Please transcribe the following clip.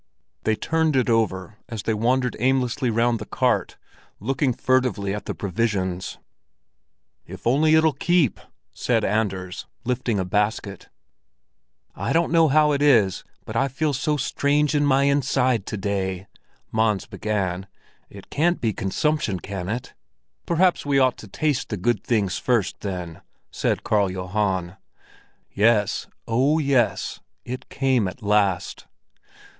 They turned it over as they wandered aimlessly round the cart, looking furtively at the provisions. "If only it'll keep!" said Anders, lifting a basket. "I don't know how it is, but I feel so strange in my inside to day," Mons began. "It can't be consumption, can it?" "Perhaps we ought to taste the good things first, then?" said Karl Johan. Yes—oh, yes—it came at last!